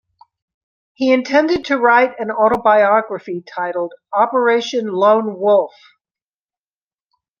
He intended to write an autobiography titled: Operation Lone Wolf.